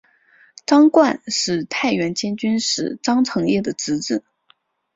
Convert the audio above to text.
张瓘是太原监军使张承业的侄子。